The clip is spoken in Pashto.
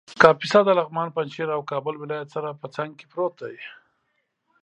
کاپیسا د لغمان ، پنجشېر او کابل ولایت سره په څنګ کې پروت دی